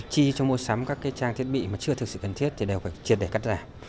chi cho mua sắm các trang thiết bị mà chưa thực sự cần thiết thì đều phải triệt để cắt giảm